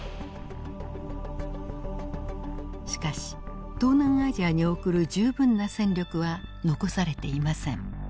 しかし東南アジアに送る十分な戦力は残されていません。